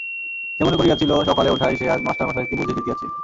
সে মনে করিয়াছিল, সকালে ওঠায় সে আজ মাস্টারমশায়কে বুঝি জিতিয়াছে।